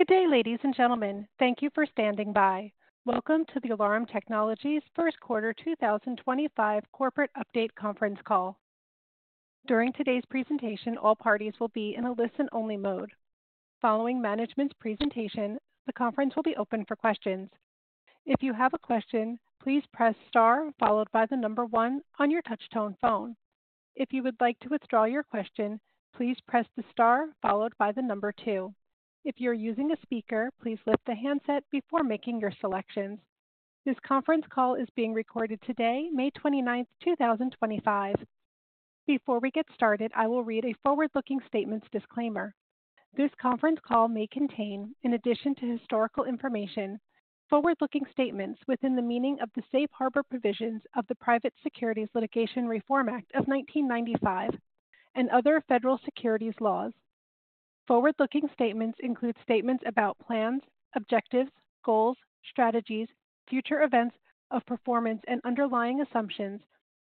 Good day, ladies and gentlemen. Thank you for standing by. Welcome to the Alarum Technologies' First Quarter 2025 Corporate Update Conference Call. During today's presentation, all parties will be in a listen-only mode. Following management's presentation, the conference will be open for questions. If you have a question, please press star followed by the number one on your touch-tone phone. If you would like to withdraw your question, please press the star followed by the number two. If you're using a speaker, please lift the handset before making your selections. This conference call is being recorded today, May 29th, 2025. Before we get started, I will read a forward-looking statements disclaimer. This conference call may contain, in addition to historical information, forward-looking statements within the meaning of the Safe Harbor Provisions of the Private Securities Litigation Reform Act of 1995 and other federal securities laws. Forward-looking statements include statements about plans, objectives, goals, strategies, future events or performance, and underlying assumptions,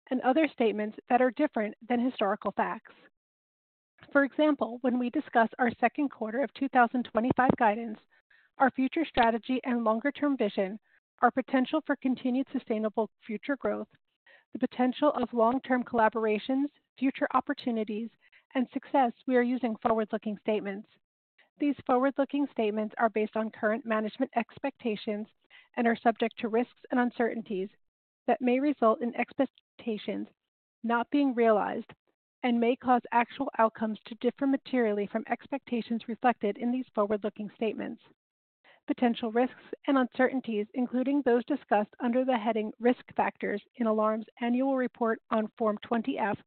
and other statements that are different than historical facts. For example, when we discuss our second quarter of 2025 guidance, our future strategy and longer-term vision, our potential for continued sustainable future growth, the potential of long-term collaborations, future opportunities, and success, we are using forward-looking statements. These forward-looking statements are based on current management expectations and are subject to risks and uncertainties that may result in expectations not being realized and may cause actual outcomes to differ materially from expectations reflected in these forward-looking statements. Potential risks and uncertainties, including those discussed under the heading risk factors in Alarum's annual report on Form 20-F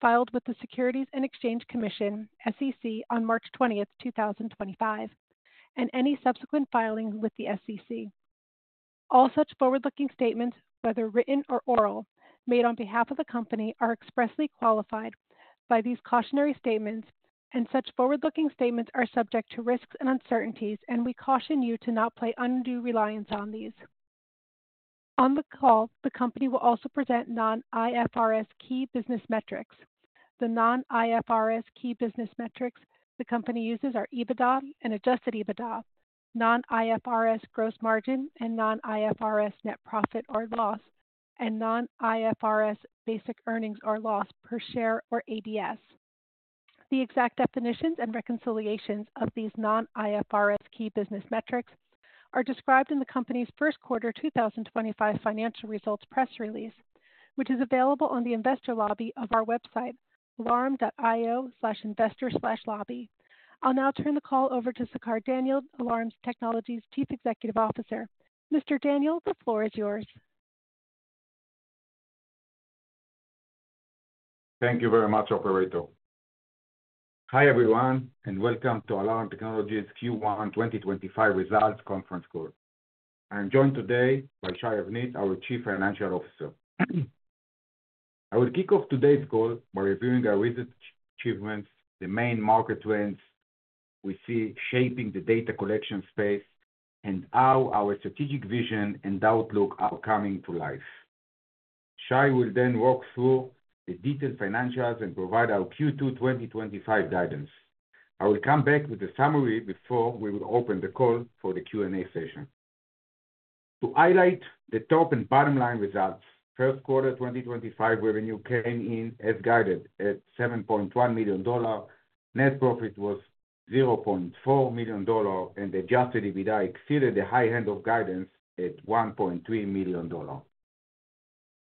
filed with the Securities and Exchange Commission, SEC, on March 20th, 2025, and any subsequent filing with the SEC. All such forward-looking statements, whether written or oral, made on behalf of the company are expressly qualified by these cautionary statements, and such forward-looking statements are subject to risks and uncertainties, and we caution you to not place undue reliance on these. On the call, the company will also present non-IFRS key business metrics. The non-IFRS key business metrics the company uses are EBITDA and adjusted EBITDA, non-IFRS gross margin and non-IFRS net profit or loss, and non-IFRS basic earnings or loss per share or ADS. The exact definitions and reconciliations of these non-IFRS key business metrics are described in the company's First Quarter 2025 Financial Results press release, which is available on the investor lobby of our website, alarum.io/investor/lobby. I'll now turn the call over to Shachar Daniel, Alarum Technologies' Chief Executive Officer. Mr. Daniel, the floor is yours. Thank you very much, Operator. Hi everyone, and welcome to Alarum Technologies' Q1 2025 Results Conference Call. I'm joined today by Shai Avnit, our Chief Financial Officer. I will kick off today's call by reviewing our recent achievements, the main market trends we see shaping the data collection space, and how our strategic vision and outlook are coming to life. Shai will then walk through the detailed financials and provide our Q2 2025 guidance. I will come back with a summary before we will open the call for the Q&A session. To highlight the top and bottom line results, first quarter 2025 revenue came in as guided at $7.1 million. Net profit was $0.4 million, and adjusted EBITDA exceeded the high end of guidance at $1.3 million.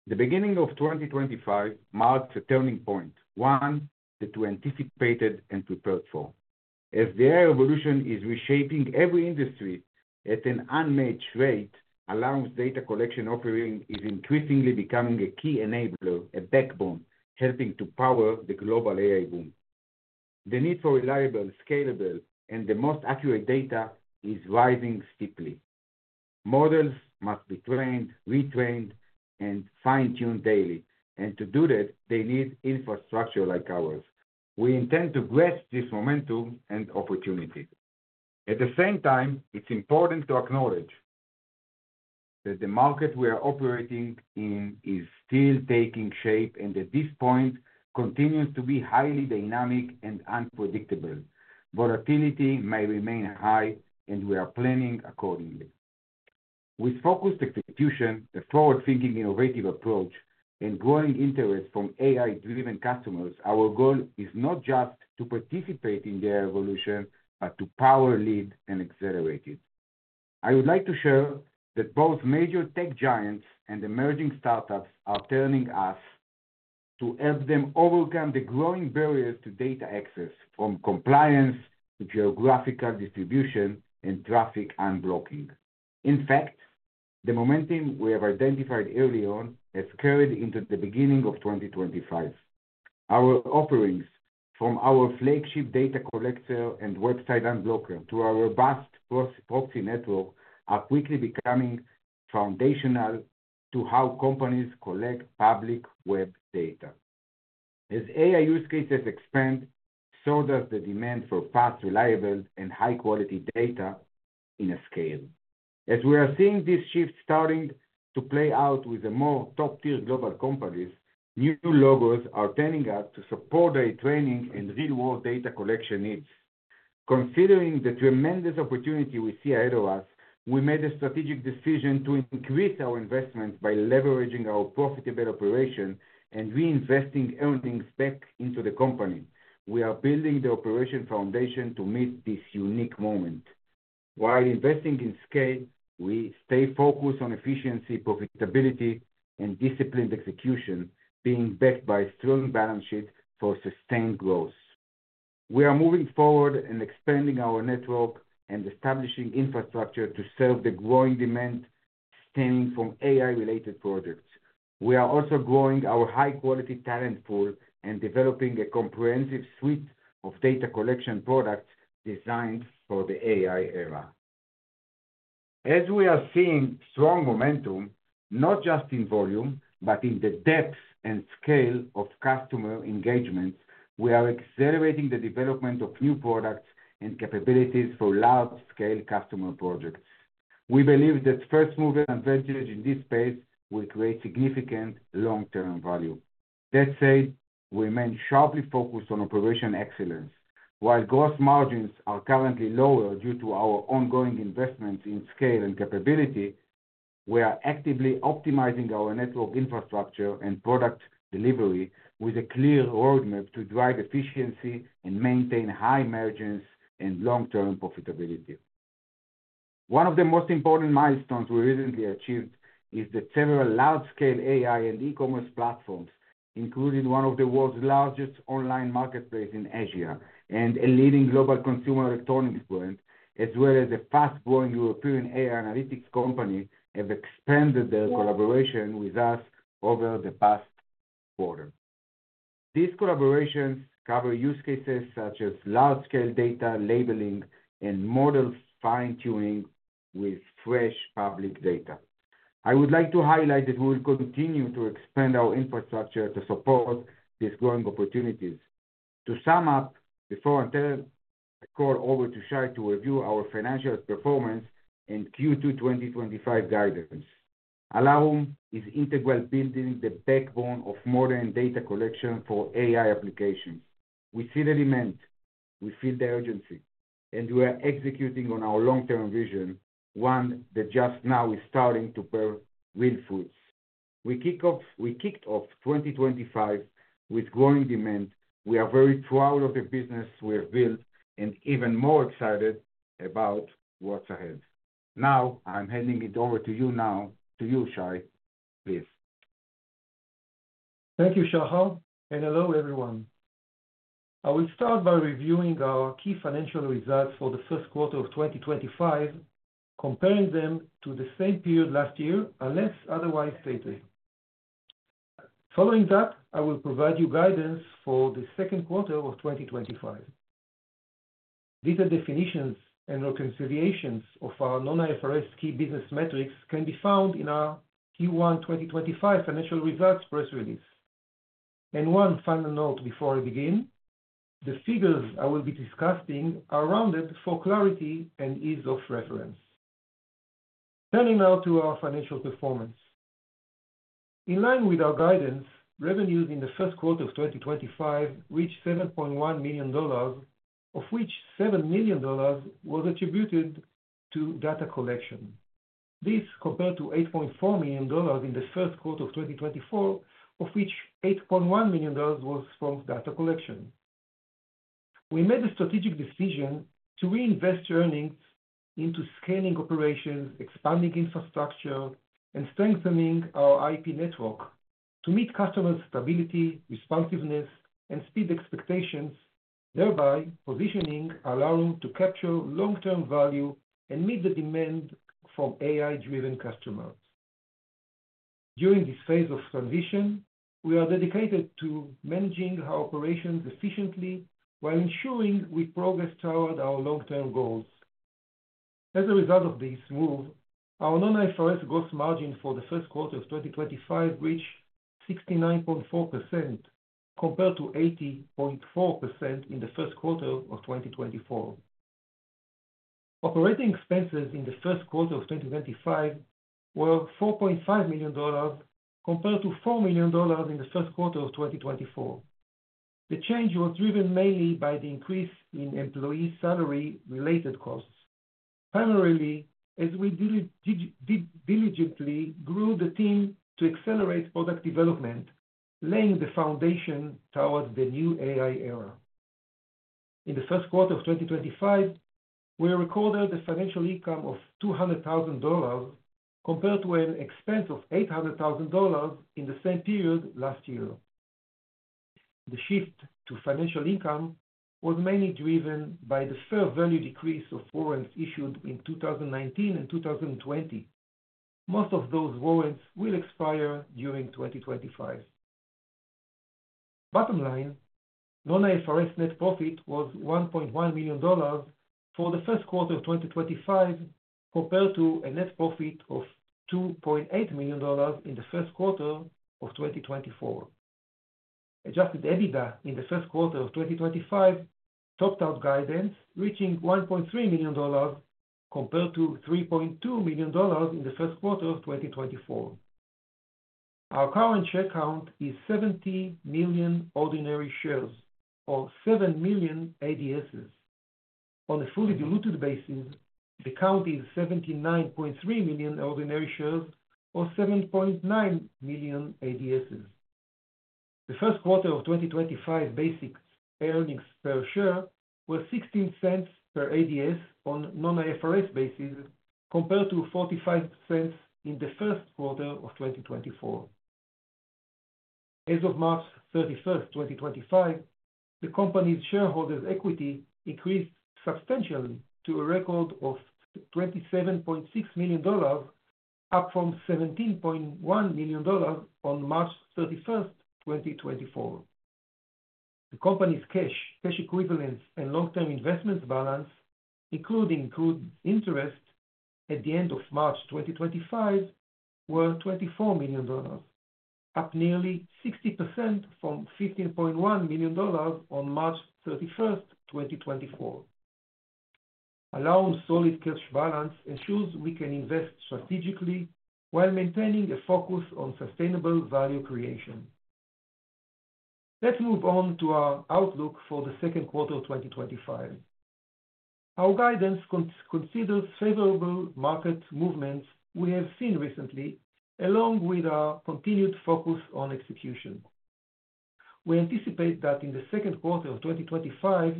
The beginning of 2025 marks a turning point, one that we anticipated and prepared for. As the AI revolution is reshaping every industry at an unmatched rate, Alarum's data collection offering is increasingly becoming a key enabler, a backbone helping to power the global AI boom. The need for reliable, scalable, and the most accurate data is rising steeply. Models must be trained, retrained, and fine-tuned daily, and to do that, they need infrastructure like ours. We intend to grasp this momentum and opportunity. At the same time, it's important to acknowledge that the market we are operating in is still taking shape and at this point continues to be highly dynamic and unpredictable. Volatility may remain high, and we are planning accordingly. With focused execution, a forward-thinking innovative approach, and growing interest from AI-driven customers, our goal is not just to participate in their evolution, but to power, lead, and accelerate it. I would like to share that both major tech giants and emerging startups are turning to us to help them overcome the growing barriers to data access, from compliance to geographical distribution and traffic unblocking. In fact, the momentum we have identified early on has carried into the beginning of 2025. Our offerings, from our flagship Data Collector and Website Unblocker to our robust proxy network, are quickly becoming foundational to how companies collect public web data. As AI use cases expand, so does the demand for fast, reliable, and high-quality data at scale. As we are seeing this shift starting to play out with more top-tier global companies, new logos are turning up to support our training and real-world data collection needs. Considering the tremendous opportunity we see ahead of us, we made a strategic decision to increase our investment by leveraging our profitable operation and reinvesting earnings back into the company. We are building the operation foundation to meet this unique moment. While investing in scale, we stay focused on efficiency, profitability, and disciplined execution, being backed by a strong balance sheet for sustained growth. We are moving forward and expanding our network and establishing infrastructure to serve the growing demand stemming from AI-related projects. We are also growing our high-quality talent pool and developing a comprehensive suite of data collection products designed for the AI era. As we are seeing strong momentum, not just in volume, but in the depth and scale of customer engagements, we are accelerating the development of new products and capabilities for large-scale customer projects. We believe that first-mover advantage in this space will create significant long-term value. That said, we remain sharply focused on operational excellence. While gross margins are currently lower due to our ongoing investments in scale and capability, we are actively optimizing our network infrastructure and product delivery with a clear roadmap to drive efficiency and maintain high margins and long-term profitability. One of the most important milestones we recently achieved is that several large-scale AI and e-commerce platforms, including one of the world's largest online marketplaces in Asia and a leading global consumer electronics brand, as well as a fast-growing European AI analytics company, have expanded their collaboration with us over the past quarter. These collaborations cover use cases such as large-scale data labeling and model fine-tuning with fresh public data. I would like to highlight that we will continue to expand our infrastructure to support these growing opportunities. To sum up, before I turn the call over to Shai to review our financial performance and Q2 2025 guidance, Alarum is integrally building the backbone of modern data collection for AI applications. We see the demand, we feel the urgency, and we are executing on our long-term vision, one that just now is starting to bear real fruits. We kicked off 2025 with growing demand. We are very proud of the business we have built and even more excited about what's ahead. Now, I'm handing it over to you, to you, Shai. Please. Thank you, Shachar. Hello, everyone. I will start by reviewing key financial results for the first quarter of 2025, comparing them to the same period last year, unless otherwise stated. Following that, I will provide you guidance for the second quarter of 2025. Detailed definitions and reconciliations of our non-IFRS key business metrics can be found in our Q1 2025 Financial Results press release. One final note before I begin, the figures I will be discussing are rounded for clarity and ease of reference. Turning now to our financial performance. In line with our guidance, revenues in the first quarter of 2025 reached $7.1 million, of which $7 million was attributed to data collection. This compared to $8.4 million in the first quarter of 2024, of which $8.1 million was from data collection. We made the strategic decision to reinvest earnings into scaling operations, expanding infrastructure, and strengthening IP network to meet customers' stability, responsiveness, and speed expectations, thereby positioning Alarum to capture long-term value and meet the demand from AI-driven customers. During this phase of transition, we are dedicated to managing our operations efficiently while ensuring we progress toward our long-term goals. As a result of this move, our non-IFRS gross margin for the first quarter of 2025 reached 69.4% compared to 80.4% in the first quarter of 2024. Operating expenses in the first quarter of 2025 were $4.5 million compared to $4 million in the first quarter of 2024. The change was driven mainly by the increase in employee salary-related costs, primarily as we diligently grew the team to accelerate product development, laying the foundation toward the new AI era. In the first quarter of 2025, we recorded a financial income of $200,000 compared to an expense of $800,000 in the same period last year. The shift to financial income was mainly driven by the fair value decrease of warrants issued in 2019 and 2020. Most of those warrants will expire during 2025. Bottom line, non-IFRS net profit was $1.1 million for the first quarter of 2025 compared to a net profit of $2.8 million in the first quarter of 2024. Adjusted EBITDA in the first quarter of 2025 topped out guidance, reaching $1.3 million compared to $3.2 million in the first quarter of 2024. Our current share count is 70 million ordinary shares, or 7 million ADSs. On a fully diluted basis, the count is 79.3 million ordinary shares, or 7.9 million ADSs. The first quarter of 2025 basic earnings per share were $0.16 per ADS on a non-IFRS basis compared to $0.45 in the first quarter of 2024. As of March 31, 2025, the company's shareholders' equity increased substantially to a record of $27.6 million, up from $17.1 million on March 31, 2024. The company's cash equivalents and long-term investments balance, including interest at the end of March 2025, were $24 million, up nearly 60% from $15.1 million on March 31, 2024. Alarum's solid cash balance ensures we can invest strategically while maintaining a focus on sustainable value creation. Let's move on to our outlook for the second quarter of 2025. Our guidance considers favorable market movements we have seen recently, along with our continued focus on execution. We anticipate that in the second quarter of 2025,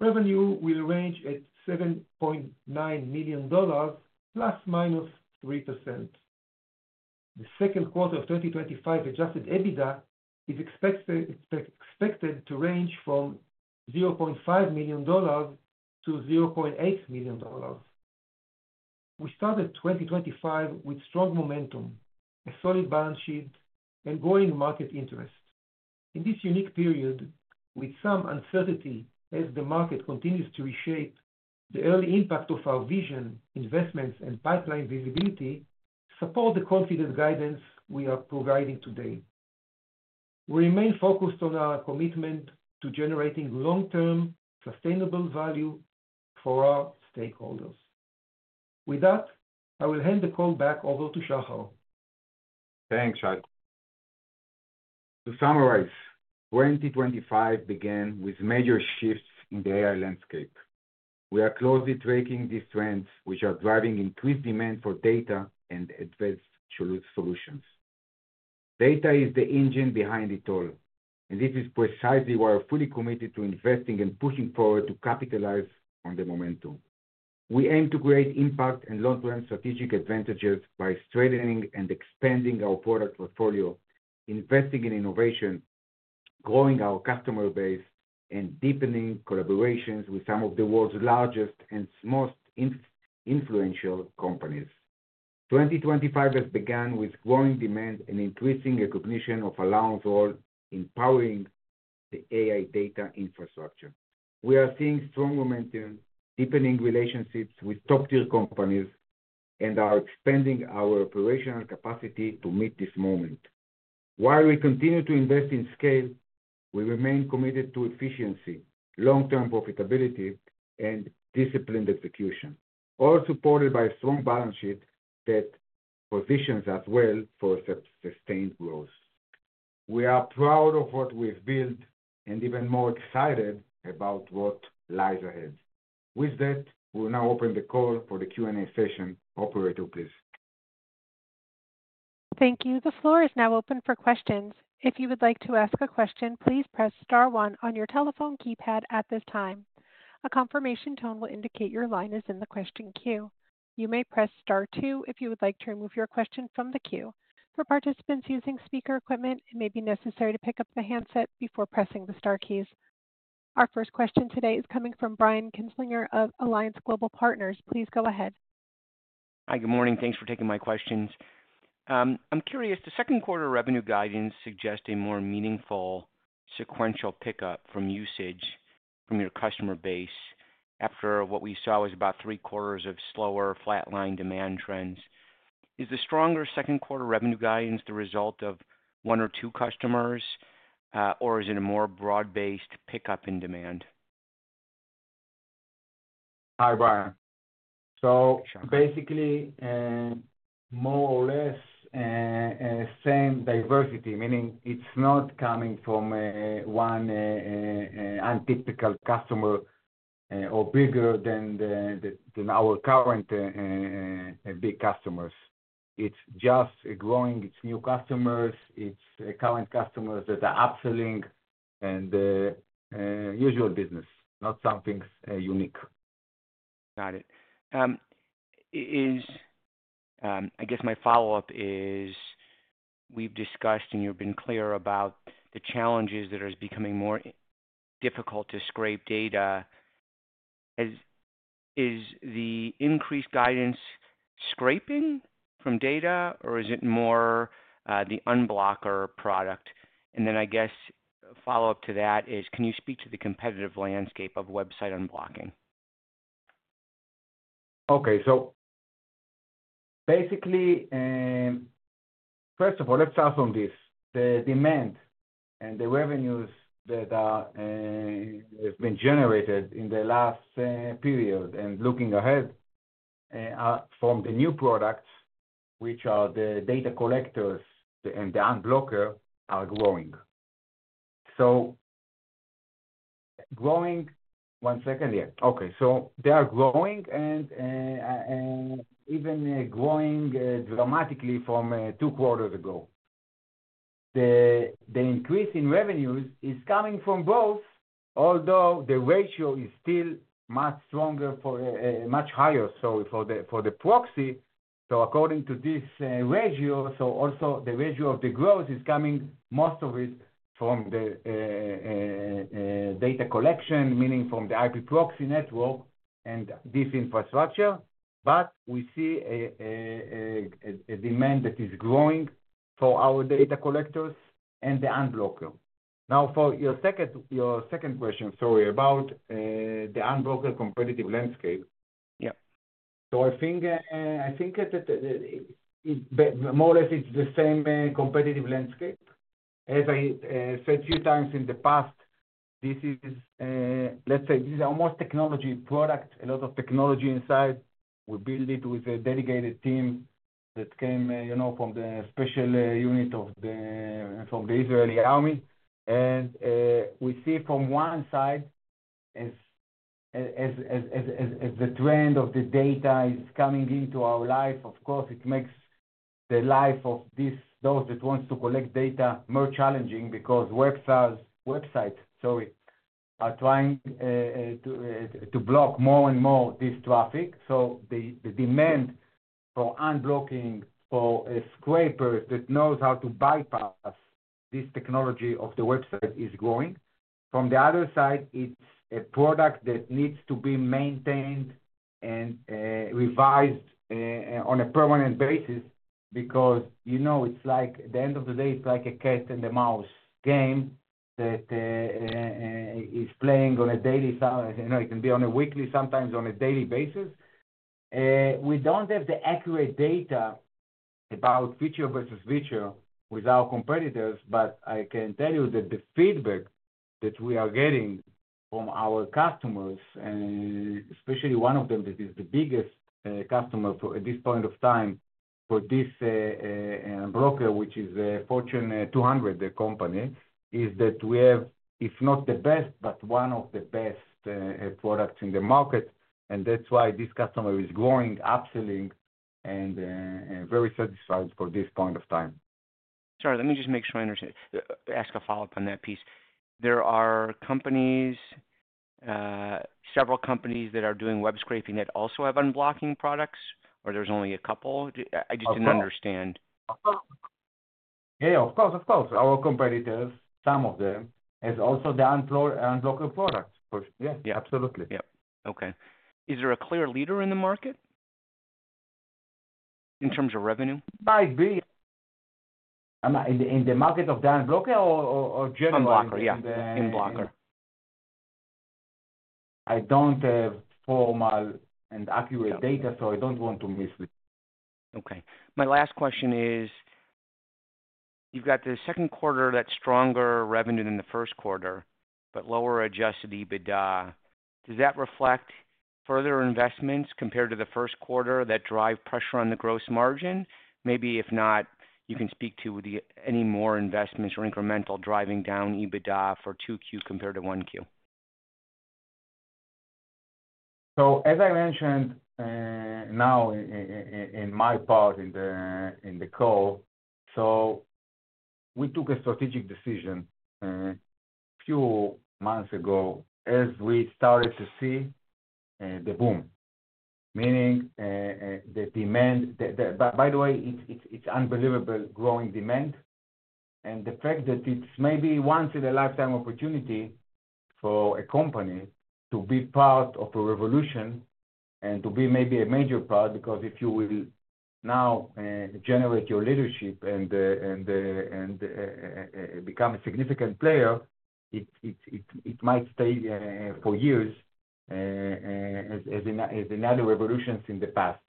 revenue will range at $7.9 million, ±3%. The second quarter of 2025 adjusted EBITDA is expected to range from $0.5 million-$0.8 million. We started 2025 with strong momentum, a solid balance sheet, and growing market interest. In this unique period, with some uncertainty as the market continues to reshape, the early impact of our vision, investments, and pipeline visibility support the confident guidance we are providing today. We remain focused on our commitment to generating long-term sustainable value for our stakeholders. With that, I will hand the call back over to Shachar. Thanks, Shai. To summarize, 2025 began with major shifts in the AI landscape. We are closely tracking these trends, which are driving increased demand for data and advanced solutions. Data is the engine behind it all, and this is precisely why we are fully committed to investing and pushing forward to capitalize on the momentum. We aim to create impact and long-term strategic advantages by strengthening and expanding our product portfolio, investing in innovation, growing our customer base, and deepening collaborations with some of the world's largest and most influential companies. 2025 has begun with growing demand and increasing recognition of Alarum's role in powering the AI data infrastructure. We are seeing strong momentum, deepening relationships with top-tier companies, and are expanding our operational capacity to meet this moment. While we continue to invest in scale, we remain committed to efficiency, long-term profitability, and disciplined execution, all supported by a strong balance sheet that positions us well for sustained growth. We are proud of what we've built and even more excited about what lies ahead. With that, we'll now open the call for the Q&A session. Operator, please. Thank you. The floor is now open for questions. If you would like to ask a question, please press star one on your telephone keypad at this time. A confirmation tone will indicate your line is in the question queue. You may press star two if you would like to remove your question from the queue. For participants using speaker equipment, it may be necessary to pick up the handset before pressing the star keys. Our first question today is coming from Brian Kinstlinger of Alliance Global Partners. Please go ahead. Hi, good morning. Thanks for taking my questions. I'm curious, the second quarter revenue guidance suggests a more meaningful sequential pickup from usage from your customer base after what we saw was about three-quarters of slower flatline demand trends. Is the stronger second quarter revenue guidance the result of one or two customers, or is it a more broad-based pickup in demand? Hi, Brian. Basically, more or less, same diversity, meaning it's not coming from one untypical customer or bigger than our current big customers. It's just growing, it's new customers. It's current customers that are upselling and usual business, not something unique. Got it. I guess my follow-up is we've discussed and you've been clear about the challenges that are becoming more difficult to scrape data. Is the increased guidance scraping from data, or is it more the Website Unblocker product? I guess follow-up to that is, can you speak to the competitive landscape of website unblocking? Okay. So basically, first of all, let's start from this. The demand and the revenues that have been generated in the last period and looking ahead from the new products, which are the data collectors and the unblocker, are growing. Growing one second here. Okay. They are growing and even growing dramatically from two quarters ago. The increase in revenues is coming from both, although the ratio is still much stronger, much higher, sorry, for the proxy. According to this ratio, also the ratio of the growth is coming, most of it, from the data collection, meaning from the IP proxy network and this infrastructure. We see a demand that is growing for our data collectors and the unblocker. Now, for your second question, sorry, about the unblocker competitive landscape. Yep. I think more or less it's the same competitive landscape. As I said a few times in the past, this is, let's say, this is almost technology product, a lot of technology inside. We build it with a dedicated team that came from the special unit of the Israeli army. We see from one side, as the trend of the data is coming into our life, of course, it makes the life of those that want to collect data more challenging because websites, sorry, are trying to block more and more this traffic. The demand for unblocking, for a scraper that knows how to bypass this technology of the website, is growing. From the other side, it's a product that needs to be maintained and revised on a permanent basis because it's like, at the end of the day, it's like a cat and mouse game that is playing on a daily side. It can be on a weekly, sometimes on a daily basis. We don't have the accurate data about feature versus feature with our competitors, but I can tell you that the feedback that we are getting from our customers, especially one of them that is the biggest customer at this point of time for this broker, which is Fortune 200, the company, is that we have, if not the best, but one of the best products in the market. That's why this customer is growing, upselling, and very satisfied for this point of time. Sorry, let me just make sure I understand. Ask a follow-up on that piece. There are companies, several companies that are doing web scraping that also have unblocking products, or there's only a couple? I just didn't understand. Yeah, of course, of course. Our competitors, some of them, as also the Unblocker product. Yes, absolutely. Yep. Okay. Is there a clear leader in the market in terms of revenue? Might be. In the market of the unblocker or general unblocker? Unblocker. I don't have formal and accurate data, so I don't want to mislead. Okay. My last question is, you've got the second quarter that stronger revenue than the first quarter, but lower adjusted EBITDA. Does that reflect further investments compared to the first quarter that drive pressure on the gross margin? Maybe if not, you can speak to any more investments or incremental driving down EBITDA for 2Q compared to 1Q. As I mentioned now in my part in the call, we took a strategic decision a few months ago as we started to see the boom, meaning the demand. By the way, it is unbelievable growing demand. The fact that it is maybe a once-in-a-lifetime opportunity for a company to be part of a revolution and to be maybe a major part because if you will now generate your leadership and become a significant player, it might stay for years as in other revolutions in the past.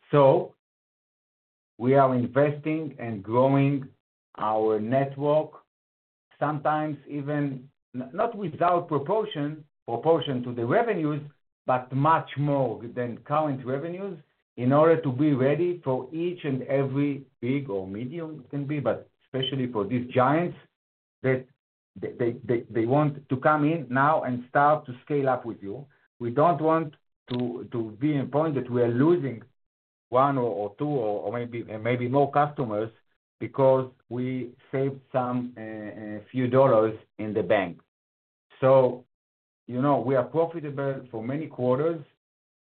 We are investing and growing our network, sometimes even not without proportion to the revenues, but much more than current revenues in order to be ready for each and every big or medium can be, but especially for these giants that they want to come in now and start to scale up with you. We don't want to be in a point that we are losing one or two or maybe more customers because we saved some few dollars in the bank. We are profitable for many quarters.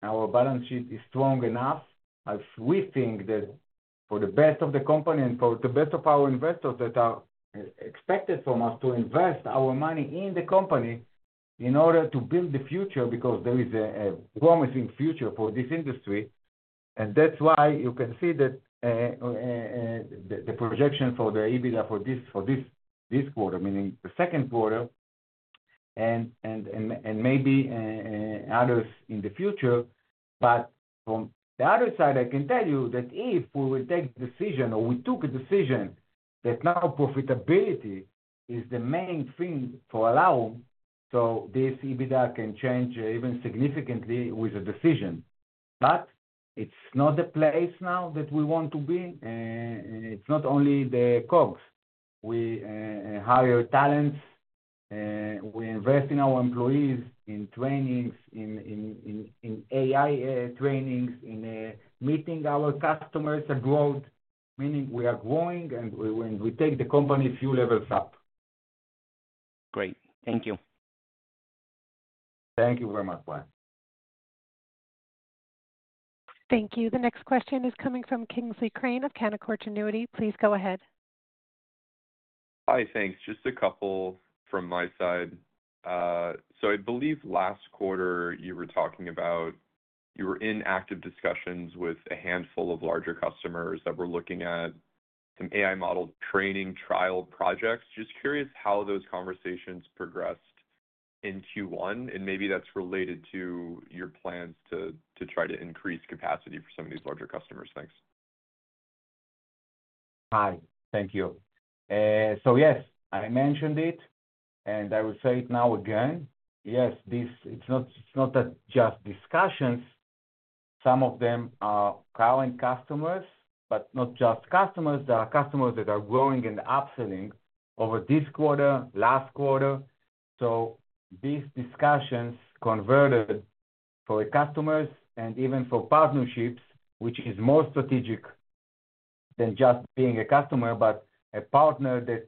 Our balance sheet is strong enough as we think that for the best of the company and for the best of our investors that are expected from us to invest our money in the company in order to build the future because there is a promising future for this industry. That is why you can see that the projection for the EBITDA for this quarter, meaning the second quarter, and maybe others in the future. From the other side, I can tell you that if we will take a decision or we took a decision that now profitability is the main thing for Alarum, this EBITDA can change even significantly with a decision. It is not the place now that we want to be. It is not only the COGS. We hire talents. We invest in our employees in trainings, in AI trainings, in meeting our customers abroad, meaning we are growing and we take the company a few levels up. Great. Thank you. Thank you very much, Brian. Thank you. The next question is coming from Kingsley Crane of Canaccord Genuity. Please go ahead. Hi, thanks. Just a couple from my side. I believe last quarter you were talking about you were in active discussions with a handful of larger customers that were looking at some AI model training trial projects. Just curious how those conversations progressed in Q1, and maybe that's related to your plans to try to increase capacity for some of these larger customers. Thanks. Hi. Thank you. Yes, I mentioned it, and I will say it now again. Yes, it's not just discussions. Some of them are current customers, but not just customers. There are customers that are growing and upselling over this quarter, last quarter. These discussions converted for customers and even for partnerships, which is more strategic than just being a customer, but a partner that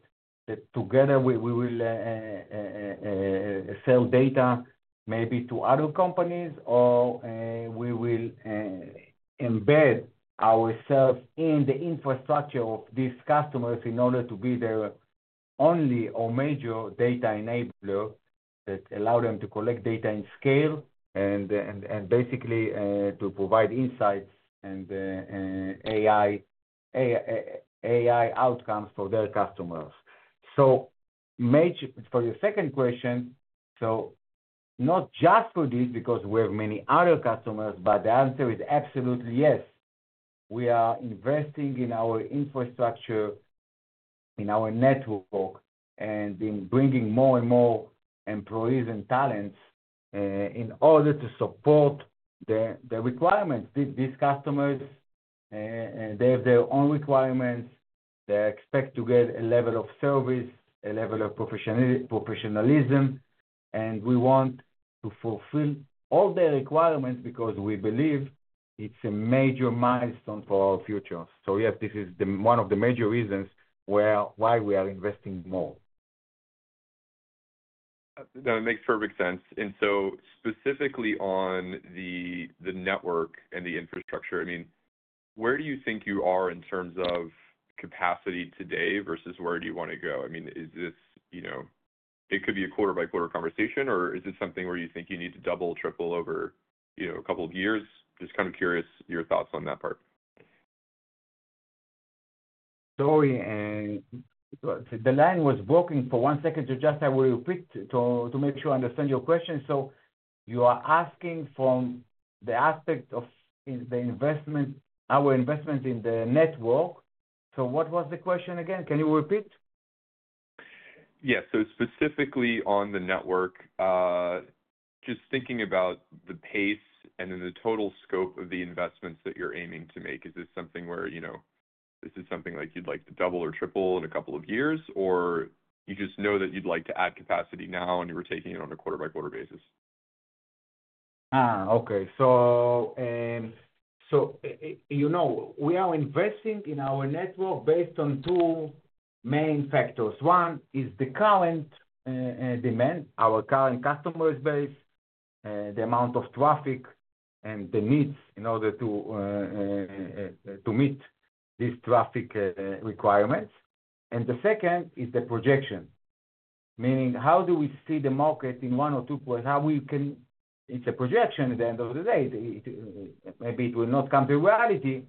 together we will sell data maybe to other companies or we will embed ourselves in the infrastructure of these customers in order to be their only or major data enabler that allows them to collect data in scale and basically to provide insights and AI outcomes for their customers. For your second question, not just for this because we have many other customers, but the answer is absolutely yes. We are investing in our infrastructure, in our network, and in bringing more and more employees and talents in order to support the requirements. These customers, they have their own requirements. They expect to get a level of service, a level of professionalism, and we want to fulfill all their requirements because we believe it's a major milestone for our future. Yes, this is one of the major reasons why we are investing more. No, it makes perfect sense. I mean, where do you think you are in terms of capacity today versus where do you want to go? I mean, is this it could be a quarter-by-quarter conversation, or is this something where you think you need to double, triple over a couple of years? Just kind of curious your thoughts on that part. Sorry, the line was broken for one second. I will repeat to make sure I understand your question. You are asking from the aspect of our investment in the network. What was the question again? Can you repeat? Yes. So specifically on the network, just thinking about the pace and then the total scope of the investments that you're aiming to make, is this something where this is something like you'd like to double or triple in a couple of years, or you just know that you'd like to add capacity now and you were taking it on a quarter-by-quarter basis? Okay. We are investing in our network based on two main factors. One is the current demand, our current customer base, the amount of traffic, and the needs in order to meet these traffic requirements. The second is the projection, meaning how do we see the market in one or two quarters? It is a projection at the end of the day. Maybe it will not come to reality,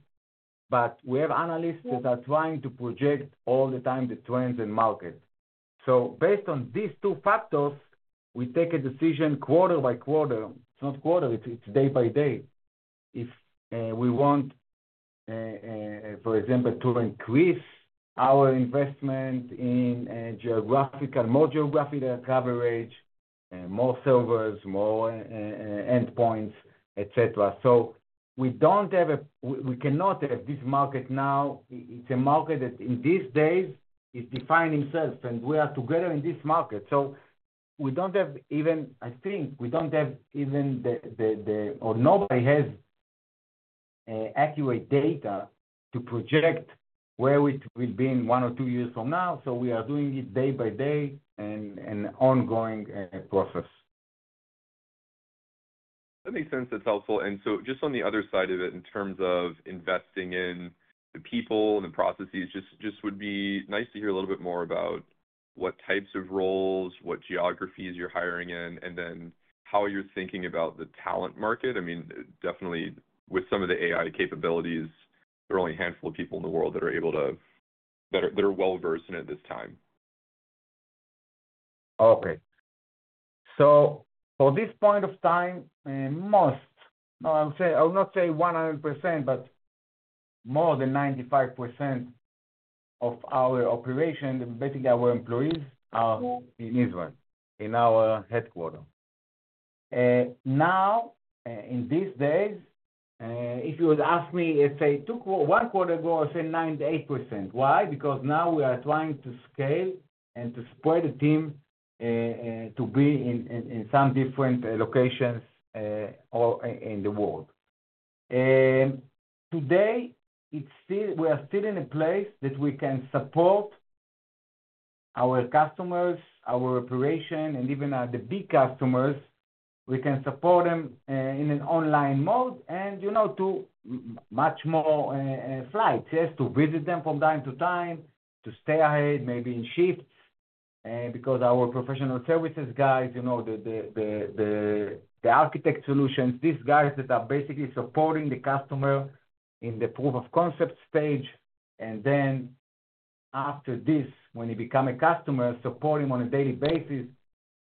but we have analysts that are trying to project all the time the trends and market. Based on these two factors, we take a decision quarter by quarter. It is not quarter. It is day by day. If we want, for example, to increase our investment in geographical, more geographical coverage, more servers, more endpoints, etc. We do not have a we cannot have this market now. It's a market that in these days is defining itself, and we are together in this market. We don't have even, I think we don't have even the, or nobody has accurate data to project where it will be in one or two years from now. We are doing it day by day and an ongoing process. That makes sense. That's helpful. Just on the other side of it, in terms of investing in the people and the processes, just would be nice to hear a little bit more about what types of roles, what geographies you're hiring in, and then how you're thinking about the talent market. I mean, definitely with some of the AI capabilities, there are only a handful of people in the world that are able to, that are well-versed in it at this time. Okay. For this point of time, most, I would say I would not say 100%, but more than 95% of our operation, basically our employees are in Israel, in our headquarter. Now, in these days, if you would ask me, let's say one quarter ago, I would say 98%. Why? Because now we are trying to scale and to spread the team to be in some different locations in the world. Today, we are still in a place that we can support our customers, our operation, and even the big customers. We can support them in an online mode and to much more flights, yes, to visit them from time to time, to stay ahead, maybe in shifts because our professional services guys, the architect solutions, these guys that are basically supporting the customer in the proof of concept stage, and then after this, when he becomes a customer, support him on a daily basis,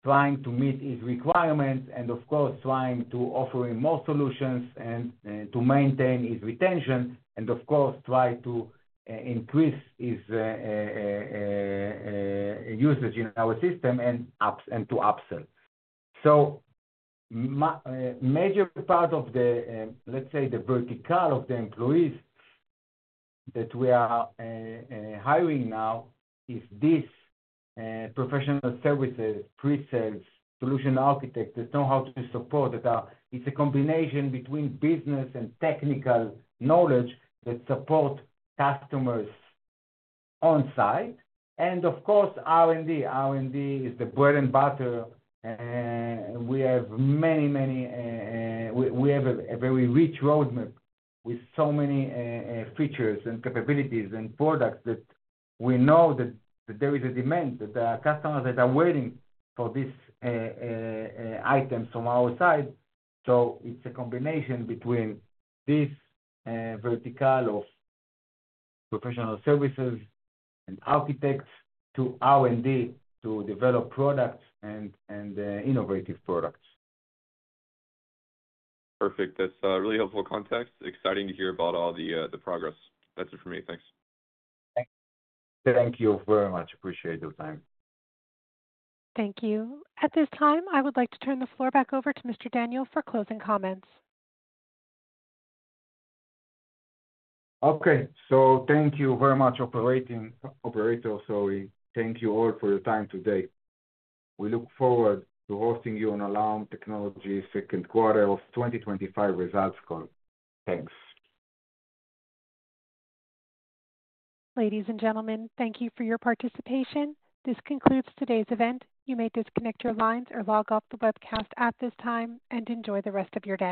trying to meet his requirements, and of course, trying to offer him more solutions and to maintain his retention, and of course, try to increase his usage in our system and to upsell. Major part of the, let's say, the vertical of the employees that we are hiring now is these professional services, pre-sales, solution architects that know how to support. It's a combination between business and technical knowledge that support customers on-site. Of course, R&D. R&D is the bread and butter. We have a very rich roadmap with so many features and capabilities and products that we know that there is a demand, that there are customers that are waiting for these items from our side. It is a combination between this vertical of professional services and architects to R&D to develop products and innovative products. Perfect. That's really helpful context. Exciting to hear about all the progress. That's it for me. Thanks. Thank you very much. Appreciate your time. Thank you. At this time, I would like to turn the floor back over to Mr. Daniel for closing comments. Okay. Thank you very much, operator. Sorry. Thank you all for your time today. We look forward to hosting you on Alarum Technologies' Second Quarter of 2025 Results Call. Thanks. Ladies and gentlemen, thank you for your participation. This concludes today's event. You may disconnect your lines or log off the webcast at this time and enjoy the rest of your day.